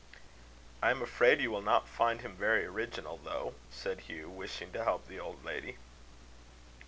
"I am afraid you will not find him very original, though," said Hugh, wishing to help the old lady.